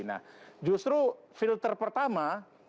nah justru filter pertama